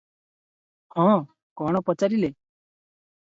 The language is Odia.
ହଁ-କଣ ପଚାରିଲେ?